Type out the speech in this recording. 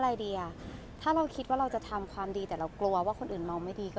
ในส่วนคนใกล้ชิดเรารู้สึกว่าเราแบบพอใจเลยค่ะพี่ก้อย